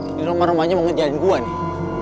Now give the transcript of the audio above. ini rumah rumahnya mau ngejarin gue nih